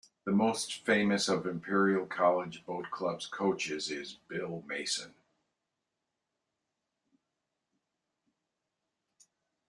The most famous of Imperial College Boat Club's coaches is Bill Mason.